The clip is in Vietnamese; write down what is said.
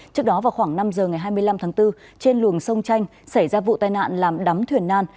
trước đó vào khoảng năm giờ ngày hai mươi năm tháng bốn trên luồng sông chanh xảy ra vụ tai nạn làm đắm thuyền nan